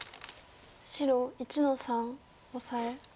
白１の三オサエ。